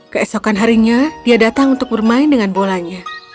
keesokan harinya dia datang untuk bermain dengan bolanya